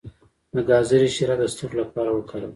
د ګازرې شیره د سترګو لپاره وکاروئ